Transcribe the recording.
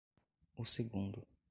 O segundo.